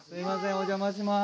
お邪魔します